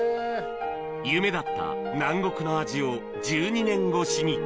夢だった南国の味を１２年越